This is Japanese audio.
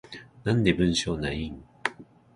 なんで文章ないん？